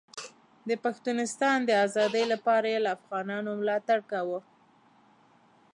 د پښتونستان د ازادۍ لپاره یې له افغانانو ملاتړ کاوه.